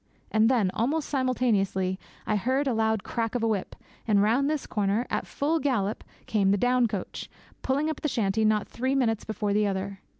And then, almost simultaneously, I heard a loud crack of a whip, and round this corner, at full gallop, came the down coach, pulling up at the shanty not three minutes before the other!